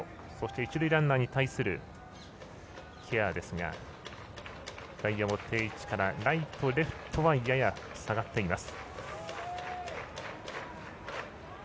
一塁ランナーに対するケアですが、外野も定位置からライト、レフトはやや下がっています。